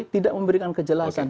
tidak memberikan kejelasan